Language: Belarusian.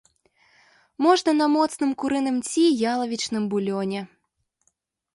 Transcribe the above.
Можна на моцным курыным ці ялавічным булёне.